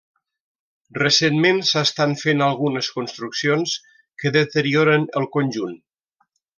Recentment s'estan fent algunes construccions que deterioren el conjunt.